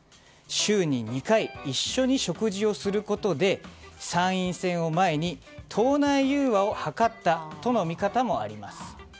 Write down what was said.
週に２回一緒に食事をすることで参院選を前に党内融和を図ったとの見方もあります。